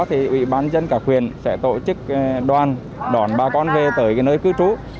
thì bản dân cả quyền sẽ tổ chức đoàn đón bà con về tới nơi cư trú